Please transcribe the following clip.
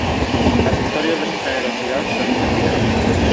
Las historias de su generosidad son interminables.